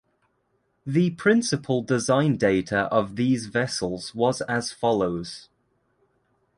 The principal design data of these vessels was as follows.